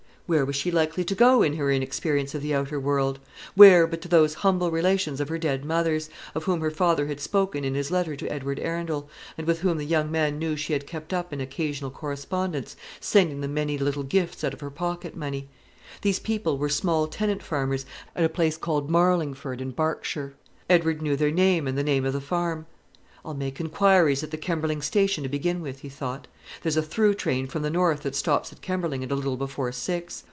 Where was she likely to go in her inexperience of the outer world? where but to those humble relations of her dead mother's, of whom her father had spoken in his letter to Edward Arundel, and with whom the young man knew she had kept up an occasional correspondence, sending them many little gifts out of her pocket money. These people were small tenant farmers, at a place called Marlingford, in Berkshire. Edward knew their name and the name of the farm. "I'll make inquiries at the Kemberling station to begin with," he thought. "There's a through train from the north that stops at Kemberling at a little before six.